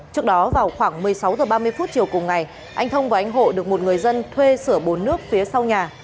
trước đó vào khoảng một mươi sáu h ba mươi phút chiều cùng ngày anh thông và anh hộ được một người dân thuê sửa bồn nước phía sau nhà